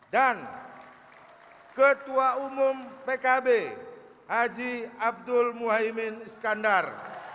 dan ketua umum pkb haji abdul muhaymin iskandar